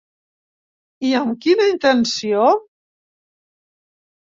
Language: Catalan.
I amb quina intenció?